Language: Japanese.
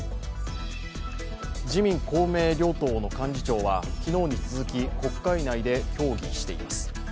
自民・公明の両党の幹事長は昨日に続き国会内で協議しています。